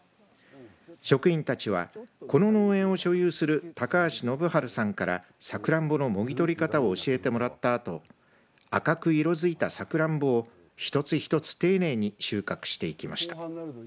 職員たちはこの農園を所有する高橋信治さんからさくらんぼのもぎ取り方を教えてもらったあと赤く色付いたさくらんぼを一つ一つ丁寧に収穫していきました。